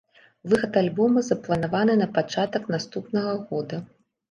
Выхад альбома запланаваны на пачатак наступнага года.